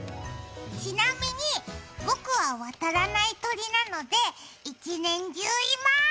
ちなみに僕は渡らない鳥なので一年中います！